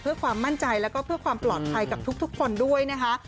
เพื่อความมั่นใจแล้วก็เพื่อความปลอดภัยกับทุกคนด้วยนะคะ